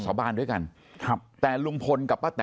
เสียชีวิต